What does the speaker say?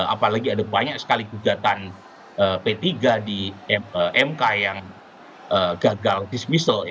apalagi ada banyak sekali gugatan p tiga di mk yang gagal dismiso